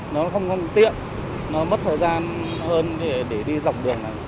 nó không tiện nó mất thời gian hơn để đi dọc đường này